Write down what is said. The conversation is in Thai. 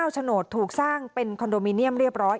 โฉนดถูกสร้างเป็นคอนโดมิเนียมเรียบร้อย